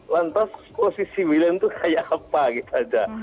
lantas posisi wilen itu kayak apa gitu aja